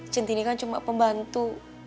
cinti ini kan cuma pembantu